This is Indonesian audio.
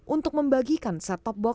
untuk membangun tv set top box